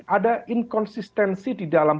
ada inkonsistensi di dalam